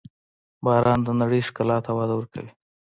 • باران د نړۍ ښکلا ته وده ورکوي.